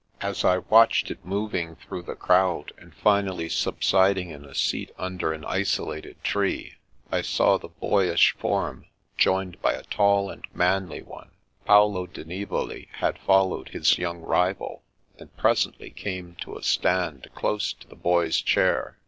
As I watched it moving through the crowd, and finally subsiding in a seat under an isolated tree, The Challenge 245 I saw the boyish form joined by a tall and manly one. Paolo di Nivoli had followed his young rival, and presently came to a stand close to the Boy's chair.